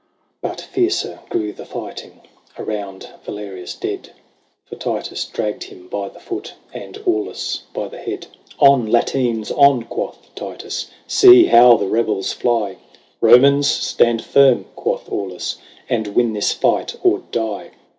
XVIII. But fiercer grew the fighting Around Valerius dead ; For Titus dragged him by the foot. And Aulus by the head. 116 LAYS OF ANCIENT ROME. " On, Latines, on !" quoth Titus, " See how the rebels fly !"" Komans, stand firm !" quoth Aulus, " And win this fight or die